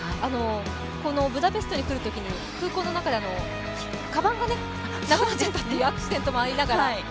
ブダペストに来るときに空港の中でかばんがなくなっちゃったっていうアクシデントもありながら。